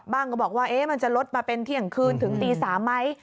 ก็บอกว่ามันจะลดมาเป็นเที่ยงคืนถึงตี๓ไหม